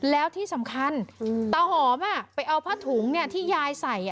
แล้วที่สำคัญตาหอมไปเอาผ้าถุงที่ยายใส่